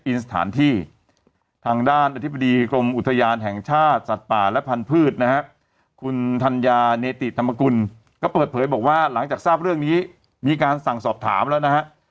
สถานที่ทางด้านอธิบดีกรมอุทยานแห่งชาติสัตว์ป่าและพันธุ์นะฮะคุณธัญญาเนติธรรมกุลก็เปิดเผยบอกว่าหลังจากทราบเรื่องนี้มีการสั่งสอบถามแล้วนะฮะ